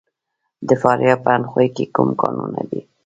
د فاریاب په اندخوی کې کوم کانونه دي؟